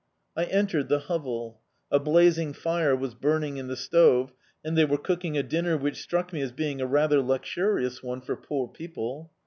I entered the hovel. A blazing fire was burning in the stove, and they were cooking a dinner which struck me as being a rather luxurious one for poor people.